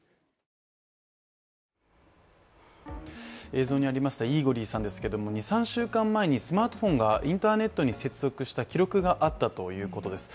映像にありましたイーゴリさんですけれども、２３週間前にスマートフォンがインターネットに接続した記録があったということです。